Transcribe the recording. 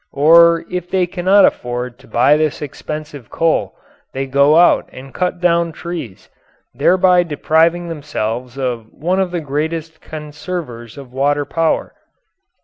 Or if they cannot afford to buy this expensive coal, they go out and cut down trees, thereby depriving themselves of one of the great conservers of water power.